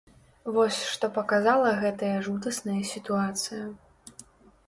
Вось што паказала гэтая жудасная сітуацыя.